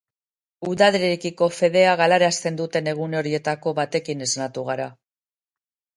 Udarekiko fedea galarazten duten egun horietako batekin esnatu gara.